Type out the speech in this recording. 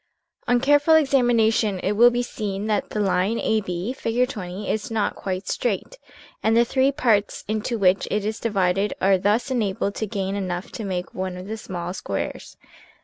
On careful examination it will be seen that the line AB, Fig. 20, is not quite straight and the three parts into which it is divided are thus enabled to gain enough to make one of the small squares.